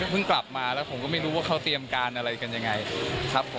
เพิ่งกลับมาแล้วผมก็ไม่รู้ว่าเขาเตรียมการอะไรกันอย่างไร